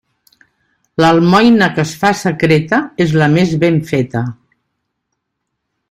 L'almoina que es fa secreta és la més ben feta.